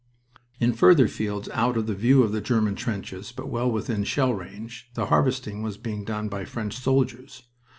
In further fields out of view of the German trenches, but well within shell range, the harvesting was being done by French soldiers.